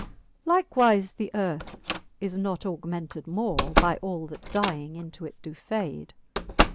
XL. Likewife the earth is not augmented more By all that dying into it doe fade.